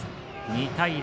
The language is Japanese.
２対０。